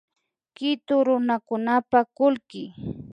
Kitu runakunapa kullki